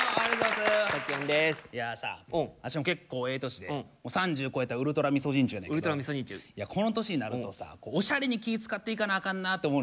いやさあたしも結構ええ年でもう３０超えたウルトラみそじんちゅやねんけどこの年になるとさおしゃれに気遣っていかなあかんなって思うねんな。